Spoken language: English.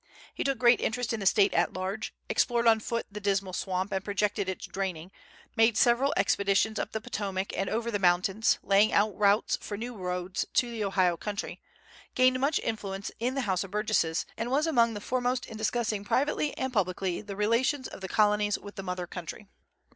He took great interest in the State at large, explored on foot the Dismal Swamp and projected its draining, made several expeditions up the Potomac and over the mountains, laying out routes for new roads to the Ohio country, gained much influence in the House of Burgesses, and was among the foremost in discussing privately and publicly the relations of the Colonies with the Mother Country.